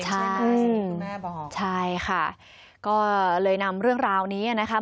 ใช่นี่คุณแม่บอกใช่ค่ะก็เลยนำเรื่องราวนี้นะคะ